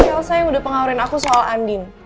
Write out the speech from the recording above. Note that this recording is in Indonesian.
elsa yang udah pengaruhin aku soal andin